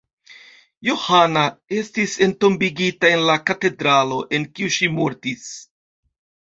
Johana estis entombigita en la katedralo, en kiu ŝi mortis.